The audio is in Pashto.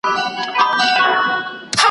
موږ به پورته کړو اوږده څانګه په دواړو ,